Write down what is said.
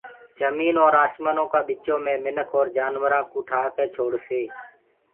جميٚنٚ اور آشمآنو ڪآ ٻِچو مي منک اور جآنورآنٚ ڪو ٺآڪي ڇوڙسي